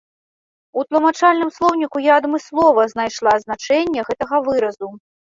У тлумачальным слоўніку я адмыслова знайшла значэнне гэтага выразу.